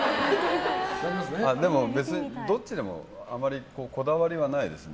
でも、どっちでもあまりこだわりはないですね。